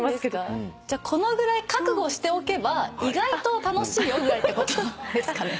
じゃこのぐらい覚悟しておけば意外と楽しいよぐらいってことですかね。